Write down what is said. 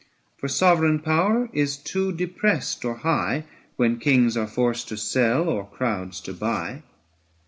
895 For sovereign power is too depressed or high, When kings are forced to sell or crowds to buy.